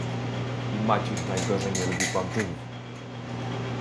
"Maciuś najgorzej nie lubi kłamczuchów."